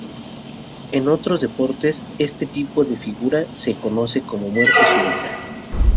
En otros deportes, este tipo de figura se conoce como muerte súbita.